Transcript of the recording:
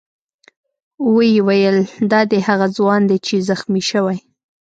ویې ویل: دا دی هغه ځوان دی چې زخمي شوی.